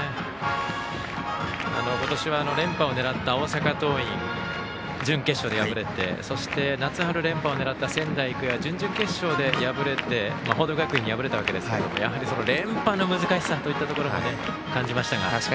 今年は連覇を狙った大阪桐蔭準決勝で敗れて夏春連覇を狙った仙台育英は準々決勝で報徳学園に敗れたわけですがやはり連覇の難しさというのも感じましたが。